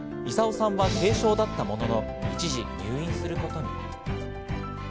功さんは軽症だったものの、一時、入院することに。